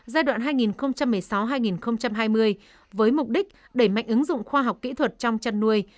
giai đoạn hai nghìn một mươi sáu hai nghìn hai mươi với mục đích đẩy mạnh ứng dụng khoa học kỹ thuật trong chăn nuôi